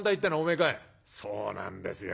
「そうなんですよ。